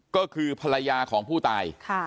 ก็คือภรรยาของผู้ตาย